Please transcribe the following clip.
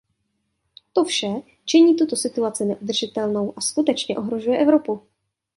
To vše činí tuto situaci neudržitelnou a skutečně ohrožuje Evropu.